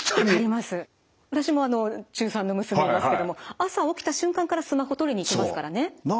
私も中３の娘がいますけども朝起きた瞬間からスマホ取りに行きますからね。